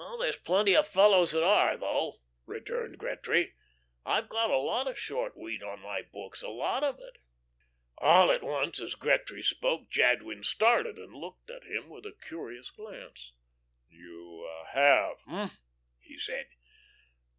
"There's plenty of fellows that are, though," returned Gretry. "I've got a lot of short wheat on my books a lot of it." All at once as Gretry spoke Jadwin started, and looked at him with a curious glance. "You have, hey?" he said.